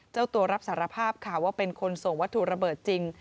เจ้าตัวรับสารภาพค่ะว่าเป็นคนส่งวัตถุระเบิดจริง